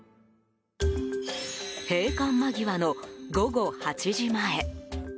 閉館間際の午後８時前。